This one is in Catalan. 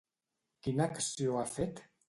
Quina acció ha fet?